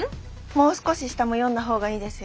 もう少し下も読んだほうがいいですよ。